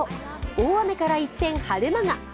大雨から一転、晴れ間が。